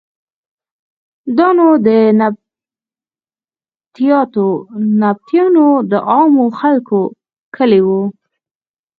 دا نو د نبطیانو د عامو خلکو کلی و.